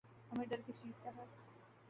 ہمیں ڈر کس چیز کا ہے؟